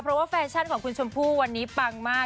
เพราะว่าแฟชั่นของคุณชมพู่วันนี้ปังมาก